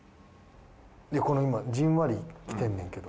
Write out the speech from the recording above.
いやこの今じんわりきてるねんけど。